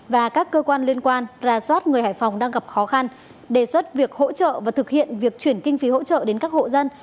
và các cơ quan liên quan ra soát người hải phòng đang gặp khó khăn đề xuất việc hỗ trợ và thực hiện việc chuyển kinh phí hỗ trợ đến các hộ dân